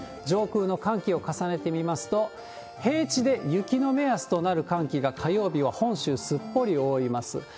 上空の寒気を重ねてみますと、平地で雪の目安となる寒気が、火曜日は本州すっぽり覆います。